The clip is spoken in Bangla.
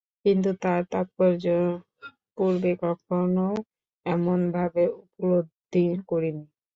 কিন্তু তার তাৎপর্য পূর্বে কখনও এমন ভাবে উপলব্ধি করিনি।